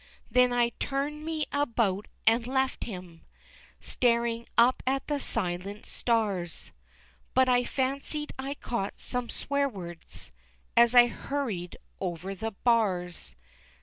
Then I turned me about and left him Staring up at the silent stars, But I fancied I caught some swear words As I hurried over the bars.